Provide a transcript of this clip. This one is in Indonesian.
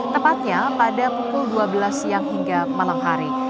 tepatnya pada pukul dua belas siang hingga malam hari